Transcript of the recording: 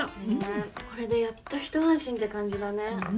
これでやっと一安心って感じだね。